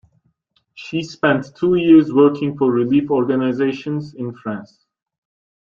She spent two years working for relief organizations in France.